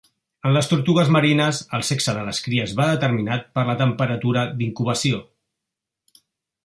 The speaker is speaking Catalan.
En les tortugues marines, el sexe de les cries ve determinat per la temperatura d'incubació.